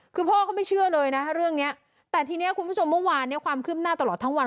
คือพ่อเขาไม่เชื่อเลยเรื่องนี้แต่ทีนี้คุณผู้ชมความขึ้มหน้าตลอดทั้งวัน